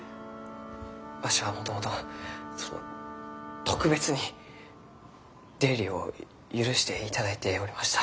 わしはもともとその特別に出入りを許していただいておりました。